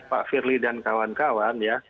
pak firly dan kawan kawan ya